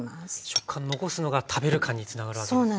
食感残すのが食べる感につながるわけですね。